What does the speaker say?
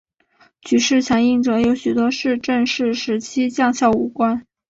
举事响应者有许多是郑氏时期将校武官。